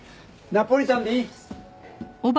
ナポリタンでいい？